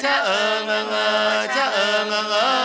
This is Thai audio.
เช่าเอ่อเงาเงาเช่าเอ่อเงาเงา